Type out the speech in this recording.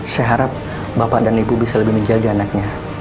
saya harap bapak dan ibu bisa lebih menjaga anaknya